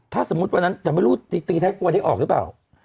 ถ้าสมมุติวันนั้นแต่ไม่รู้ตีท้ายครัวได้ออกหรือเปล่า